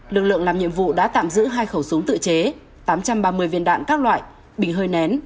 lực lượng làm nhiệm vụ đã tạm giữ hai khẩu súng tự chế tám trăm ba mươi viên đạn các loại bình hơi nén